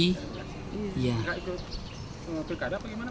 enggak ikut penguntur kada apa gimana